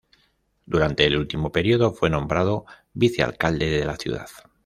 Durante el último periodo fue nombrado vicealcalde de la ciudad.